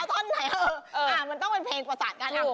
เอาตอนไหนมันต้องเป็นเพลงประสานกันนะ